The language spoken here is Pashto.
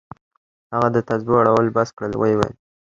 هغه د تسبو اړول بس كړل ويې ويل.